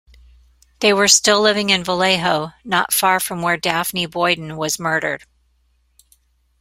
They were still living in Vallejo, not far from where Daphne Boyden was murdered.